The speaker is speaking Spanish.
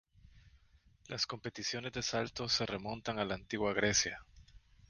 Las competiciones de saltos se remontan a la antigua Grecia.